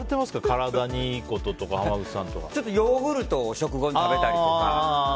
体にいいこととかヨーグルトを食後に食べたりとか。